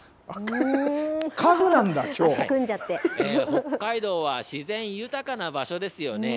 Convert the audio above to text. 北海道は自然豊かな場所ですよね。